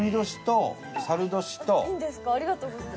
ありがとうございます。